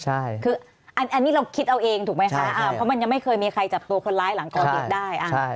ใช่คืออันนี้เราคิดเอาเองถูกไหมคะเพราะมันยังไม่เคยมีใครจับตัวคนร้ายหลังก่อเหตุได้